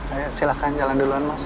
ayo silahkan jalan duluan mas